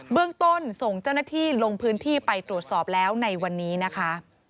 เรื่องต้นส่งเจ้าหน้าที่ลงพื้นที่ไปตรวจสอบแล้วในวันนี้นะคะ